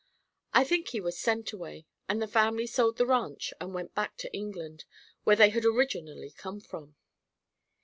I think he was sent away, and the family sold the ranch and went back to England, where they had originally come from.